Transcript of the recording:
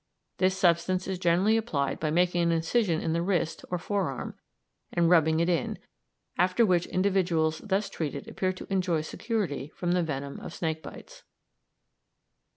This substance is generally applied by making an incision in the wrist or forearm and rubbing it in, after which individuals thus treated appear to enjoy security from the venom of snake bites.